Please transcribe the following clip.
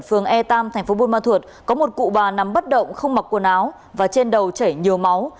phường e ba tp bùn ma thuột có một cụ bà nằm bất động không mặc quần áo và trên đầu chảy nhiều máu